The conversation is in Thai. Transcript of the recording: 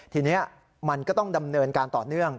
ทีนี้มันก็ต้องดำเนินการต่อเนื่อง